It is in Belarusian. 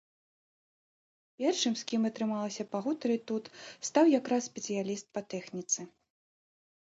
Першым, з кім атрымалася пагутарыць тут, стаў як раз спецыяліст па тэхніцы.